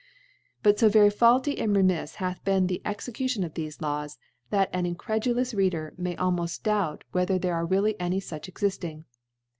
But fo very faulty and remifs hath been ihe Execution of thefe Laws, that an in credulous Reader may almoft doubt whe ther there are really any fuch ekifting.